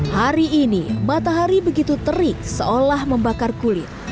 hari ini matahari begitu terik seolah membakar kulit